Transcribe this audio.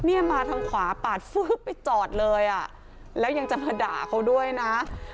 เนี่ยมาทางขวาปาดฟึ๊บไปจอดเลยอ่ะแล้วยังจะมาด่าเขาด้วยนะ